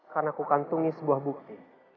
karena ku kantungi sebuah bukti